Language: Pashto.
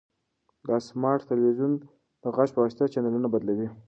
دا سمارټ تلویزیون د غږ په واسطه چینلونه بدلوي.